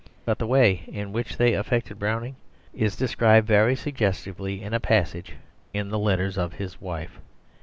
But the way in which they affected Browning is described very suggestively in a passage in the letters of his wife.